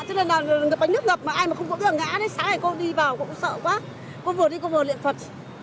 cô vừa đi cô vừa luyện phật